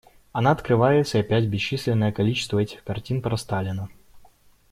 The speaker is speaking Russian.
Она открывается и опять бесчисленное количество этих картин про Сталина.